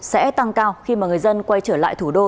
sẽ tăng cao khi mà người dân quay trở lại thủ đô